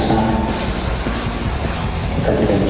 sekuat dengan luar biasa